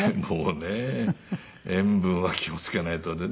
もうね塩分は気を付けないと。